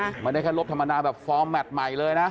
ไม่ได้แค่ลบธรรมดาแบบฟอร์มแมทใหม่เลยนะ